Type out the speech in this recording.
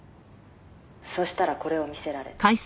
「そうしたらこれを見せられた」